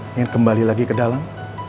ingin kembali lagi ke dalam